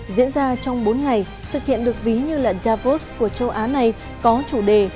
diễn ra trong bốn ngày sự kiện được ví như là davos của châu á này có chủ đề